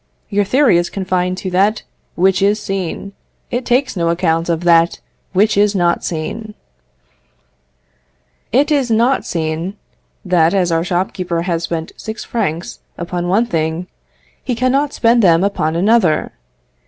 your theory is confined to that which is seen; it takes no account of that which is not seen." It is not seen that as our shopkeeper has spent six francs upon one thing, he cannot spend them upon another.